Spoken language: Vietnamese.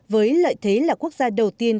với lợi thế là quốc gia đầu tiên